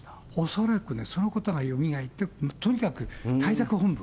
恐らくね、そのことがよみがえって、とにかく対策本部。